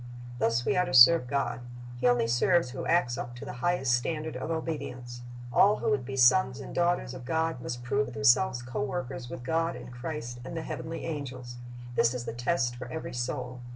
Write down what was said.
"^ Thus we are to serve God. He only serves who acts up to the highest standard of obedience. All who would be sons and daughters of God must prove themselves co workers with God and Christ and the heavenly angels. This is the test for every soul.